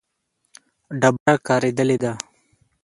ډبره کارېدلې ده.